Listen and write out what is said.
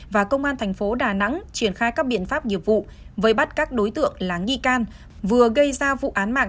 và công an thành phố đà nẵng triển khai các biện pháp nghiệp vụ với bắt các đối tượng là nghi can vừa gây ra vụ án mạng